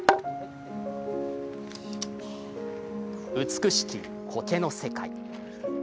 美しき苔の世界。